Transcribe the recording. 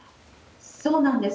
そうなんです。